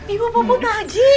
ibu pupuk pak haji